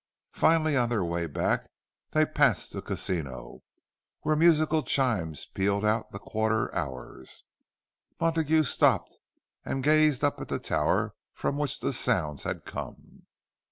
Finally, on their way back, they passed the casino, where musical chimes pealed out the quarter hours. Montague stopped and gazed up at the tower from which the sounds had come.